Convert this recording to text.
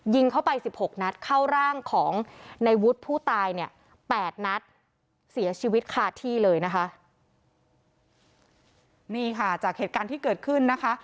เข้าไปสิบหกนัดเข้าร่างของในวุฒิผู้ตายเนี่ยแปดนัดเสียชีวิตคาที่เลยนะคะนี่ค่ะจากเหตุการณ์ที่เกิดขึ้นนะคะ